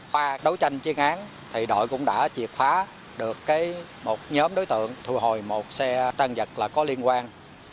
qua đấu tranh chiến án thì đội cũng đã triệt phá được một nhóm đối tượng thu hồi một xe tăng vật có liên quan